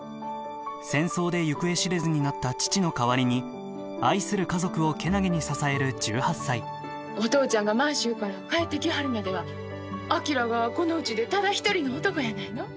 戦争で行方知れずになった父の代わりに愛する家族を健気に支える１８歳お父ちゃんが満州から帰ってきはるまでは昭がこのうちでただ一人の男やないの。